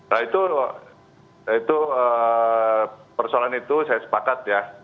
nah itu persoalan itu saya sepakat ya